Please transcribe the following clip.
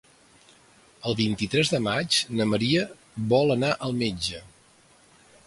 El vint-i-tres de maig na Maria vol anar al metge.